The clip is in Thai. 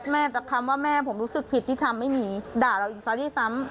แม่แต่คำว่าแม่ผมรู้สึกผิดที่ทำไม่มีด่าเราอีกซ้อนที่ซ้ำ